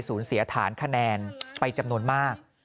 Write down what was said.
เสียฐานคะแนนไปจำนวนมาก